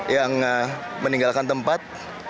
yang meninggalkan tempat